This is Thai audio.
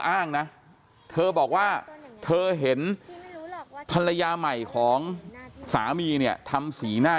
อ้างนะเธอบอกว่าเธอเห็นภรรยาใหม่ของสามีเนี่ยทำสีหน้า